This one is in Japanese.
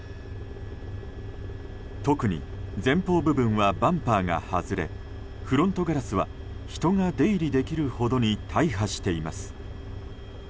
特に前方部分はバンパーが外れフロントガラスは人が出入りできるほどに大破しています。